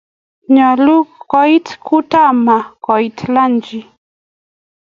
nyaluu koit kutomaa koit lunchi